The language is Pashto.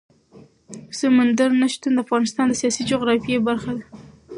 سمندر نه شتون د افغانستان د سیاسي جغرافیه برخه ده.